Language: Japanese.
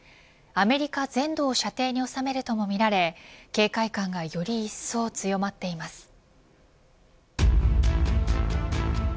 アメリカ全土を射程に収めるともみられ警戒感がより一層強まっています。